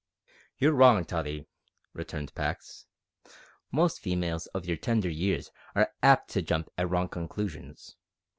"You're wrong, Tottie," returned Pax; "most females of your tender years are apt to jump at wrong conclusions.